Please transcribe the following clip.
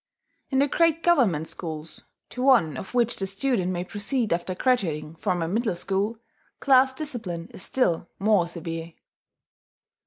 In the great Government schools to one of which the student may proceed after graduating from a middle school class discipline is still more severe.